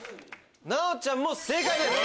奈央ちゃんも正解です。